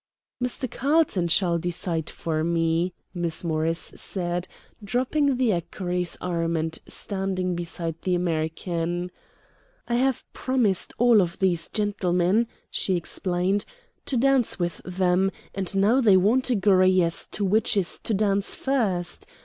"Mr. Carlton shall decide for me," Miss Morris said, dropping the equerry's arm and standing beside the American. "I have promised all of these gentlemen," she explained, "to dance with them, and now they won't agree as to which is to dance first.